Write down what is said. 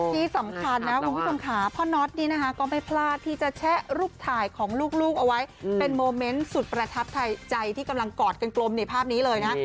ที่สำคัญนะคุณผู้ชมค่ะพ่อน็อตนี่นะคะก็ไม่พลาดที่จะแชะรูปถ่ายของลูกเอาไว้เป็นโมเมนต์สุดประทับใจที่กำลังกอดกันกลมในภาพนี้เลยนะ